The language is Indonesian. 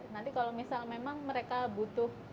nanti kalau misal memang mereka butuh